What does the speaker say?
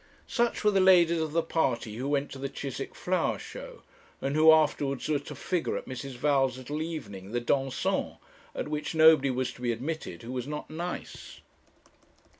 Such were the ladies of the party who went to the Chiswick flower show, and who afterwards were to figure at Mrs. Val's little evening 'the dansant,' at which nobody was to be admitted who was not nice.